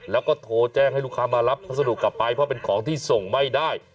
แล้วก็โทรแจ้งให้ลูกค้ามารับพัสดุกลับไปเพราะเป็นของที่ส่งไม่ได้